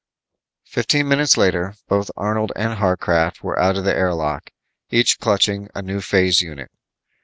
Fifteen minutes later, both Arnold and Harcraft were out of the air lock, each clutching a new phase unit.